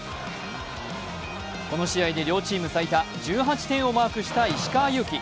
この試合で両チーム最多１８点をマークした石川祐希。